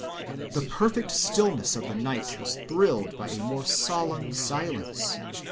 The perfect stillness of the night was thrilled by a more solemn silence.